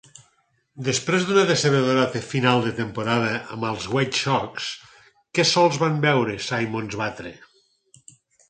Després d'una decebedora final de temporada amb els White Sox, que sols van veure Simmons batre.